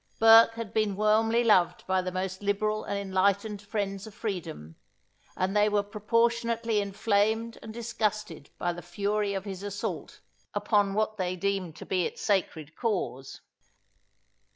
Burke had been warmly loved by the most liberal and enlightened friends of freedom, and they were proportionably inflamed and disgusted by the fury of his assault, upon what they deemed to be its sacred cause.